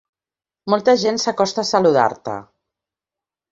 Molta gent s'acosta a saludar-te.